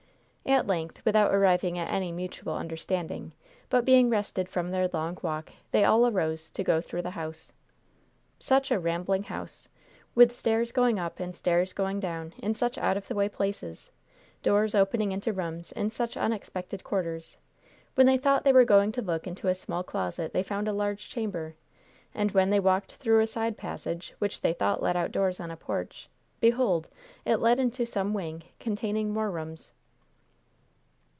At length, without arriving at any mutual understanding, but being rested from their long walk, they all arose to go through the house. Such a rambling house! with stairs going up and stairs going down in such out of the way places; doors opening into rooms in such unexpected quarters; when they thought they were going to look into a small closet they found a large chamber; and when they walked through a side passage, which they thought led outdoors on a porch, behold! it led into some wing containing more rooms.